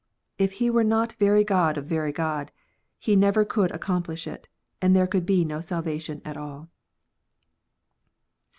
If He were not very God of very God, He never could accomplish it, and there could be no salvation at all.